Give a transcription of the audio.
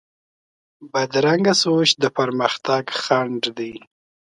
بدرنګه سوچ د پرمختګ خنډ دی